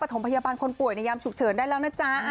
ถมพยาบาลคนป่วยในยามฉุกเฉินได้แล้วนะจ๊ะ